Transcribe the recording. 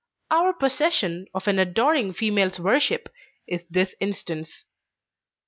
Our possession of an adoring female's worship is this instance.